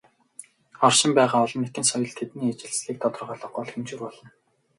Оршин байгаа "олон нийтийн соёл" тэдний ижилслийг тодорхойлох гол хэмжүүр болно.